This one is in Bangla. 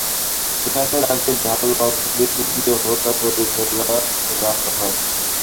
সেখানে তাঁকে ধারালো অস্ত্র দিয়ে কুপিয়ে হত্যা করে ফেলে রাখা হয়।